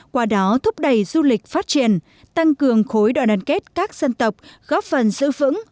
qua đó thúc đẩy du lịch phát triển tăng cường khối đoàn kết các dân tộc góp phần giữ vững